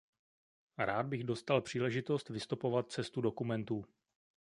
Rád bych dostal příležitost vystopovat cestu dokumentů.